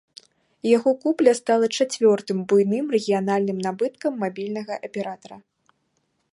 Яго купля стала чацвёртым буйным рэгіянальным набыткам мабільнага аператара.